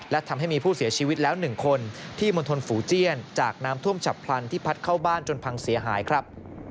และทำให้มีผู้เสียชีวิตแล้ว๑คนที่มณฑลฝูเจี้ยนจากน้ำท่วมฉับพลันที่พัดเข้าบ้านจนพังเสียหายครับ